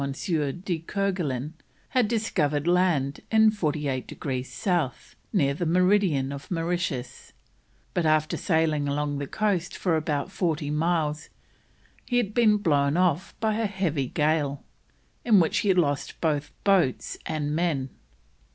de Kerguelen, had discovered land in 48 degrees South, near the meridian of Mauritius, but after sailing along the coast for about forty miles, he had been blown off by a heavy gale, in which he had lost both boats and men.